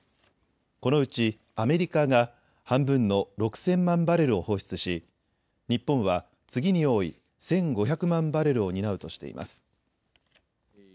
このうちアメリカが半分の６０００万バレルを放出し日本は次に多い１５００万バレルを担うとしています。